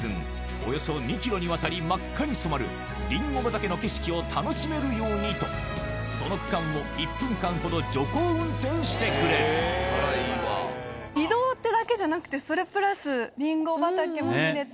およそ２ｋｍにわたり真っ赤に染まるリンゴ畑の景色を楽しめるようにとその区間を１分間ほど徐行運転してくれるそれプラス。